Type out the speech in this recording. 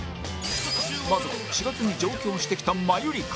まずは４月に上京してきたマユリカ